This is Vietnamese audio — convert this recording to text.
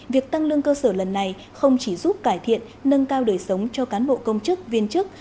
việc tăng lương cơ sở lần này không chỉ giúp cải thiện nâng cao đời sống cho cán bộ công chức viên chức